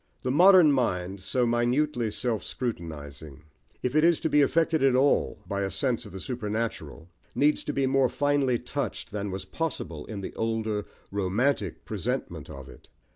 The modern mind, so minutely self scrutinising, if it is to be affected at all by a sense of the supernatural, needs to be more finely touched than was possible in the older, romantic presentment of it.